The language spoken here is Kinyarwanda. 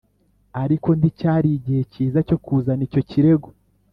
ariko nticyari igihe cyiza cyo kuzana icyo kirego